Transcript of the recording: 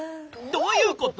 どういうこと？